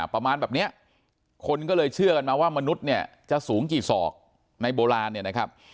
ประมาณแบบนี้คนก็เลยเชื่อกันมาว่ามนุษย์จะสูงกี่ศอกในโบราณ